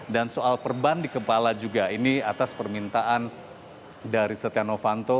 dan soal perban di kepala juga ini atas permintaan dari setia novanto